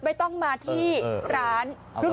ไม่ต้องมาที่ร้าน